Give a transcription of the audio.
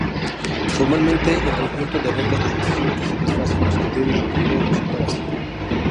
Formalmente, el conjunto de reglas de decisión que satisfacen los criterios requeridos resulta vacío.